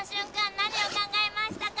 何を考えましたか？